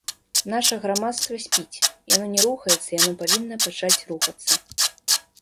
Наша грамадства спіць, яно не рухаецца, яно павінна пачаць рухацца.